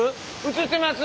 映ってます！